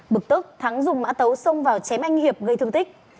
bực tức thắng dùng mã tấu xông vào chém anh hiệp gây thương tích